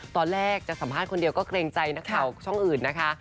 ตอนแรกจะสัมภาษณ์คนเดียวก็เกรงใจนักข่าวช่องอื่นนะคะ